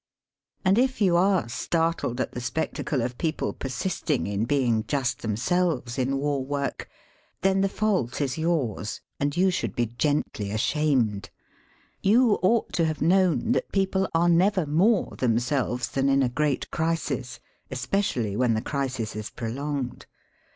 And if you are startled at the spectacle of people persisting in bdng just theraselres in war work, then the fault is yours, and you should be gently ashamed. You ought to have known that people are never more thonselves than in n great crisis, especially when the crisis is prolonged.